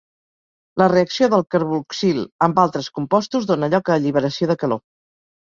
La reacció del carboxil amb altres compostos dóna lloc a alliberació de calor.